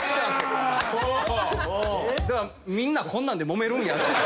だからみんなこんなんでもめるんやな。